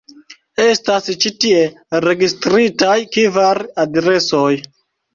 Estas ĉi tie registritaj kvar adresoj.